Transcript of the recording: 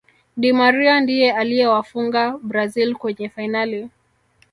di Maria ndiye aliyewafunga brazil kwenye fainali